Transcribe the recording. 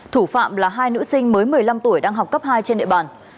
thủ phạm là hai nữ sinh mới một mươi năm tuổi đang học cấp hai trên địa bàn